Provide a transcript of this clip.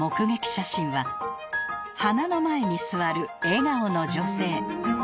写真は花の前に座る笑顔の女性